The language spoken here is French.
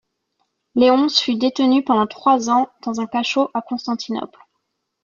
Léonce fut détenu pendant trois ans dans un cachot à Constantinople.